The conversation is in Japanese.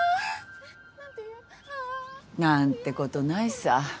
何てことないさ。